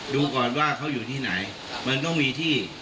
ดูก่อนว่าเขาอยู่ที่ไหนมันต้องมีที่